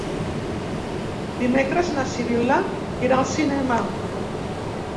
Dimecres na Sibil·la irà al cinema.